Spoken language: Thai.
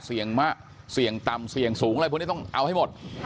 เสี่ยงต่ำเสี่ยงสูงอะไรพวกนี้ต้องเอาให้หมด